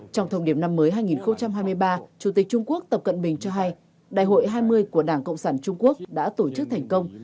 trong thông điệp năm mới hai nghìn hai mươi ba chủ tịch trung quốc tập cận bình cho hay đại hội hai mươi của đảng cộng sản trung quốc đã tổ chức thành công